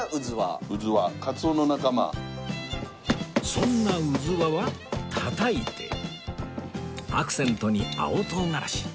そんなうずわはたたいてアクセントに青唐辛子